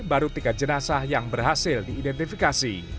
baru tiga jenazah yang berhasil diidentifikasi